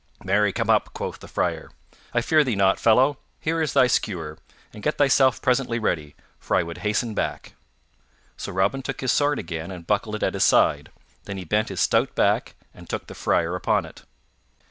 "Marry, come up," quoth the Friar, "I fear thee not, fellow. Here is thy skewer; and get thyself presently ready, for I would hasten back." So Robin took his sword again and buckled it at his side; then he bent his stout back and took the Friar upon it.